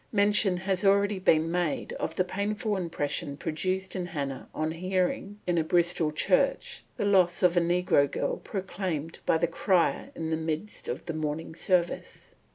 Mention has already been made of the painful impression produced in Hannah on hearing, in a Bristol church, the loss of a negro girl proclaimed by the crier in the midst of the morning service.